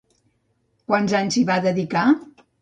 Quants anys s'hi va dedicar?